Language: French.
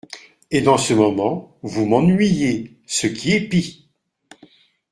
Et dans ce moment, vous m’ennuyez, ce qui est pis !